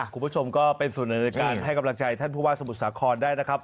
คุณผู้ชมก็เป็นส่วนหนึ่งในการให้กำลังใจท่านผู้ว่าสมุทรสาครได้นะครับ